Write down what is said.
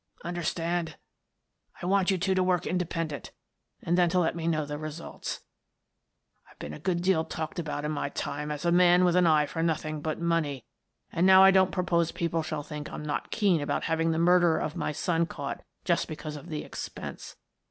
Understand? I want you two to work independent, and then to let me know the results. I've been a good deal talked about in my time as a man with an eye for nothing but money, and now I don't propose people shall think I'm not keen about having the murderer of my son caught just because of the expense.